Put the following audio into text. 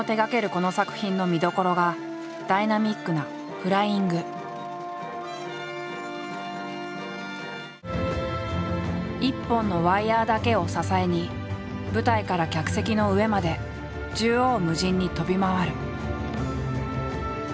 この作品の見どころがダイナミックな一本のワイヤーだけを支えに舞台から客席の上まで縦横無尽に飛び回る。